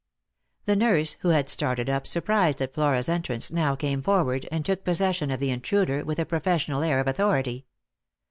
The nurse, who had started up, surprised at Flora's entrance, now came forward, and took possession of the intruder, with a professional air of authority.